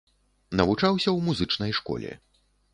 Навучаўся ў музычнай школе.